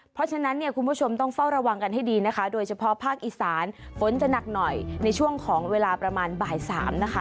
เพราะฉะนั้นเนี่ยคุณผู้ชมต้องเฝ้าระวังกันให้ดีนะคะโดยเฉพาะภาคอีสานฝนจะหนักหน่อยในช่วงของเวลาประมาณบ่ายสามนะคะ